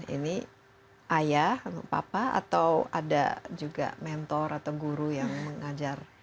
ini ayah atau papa atau ada juga mentor atau guru yang mengajar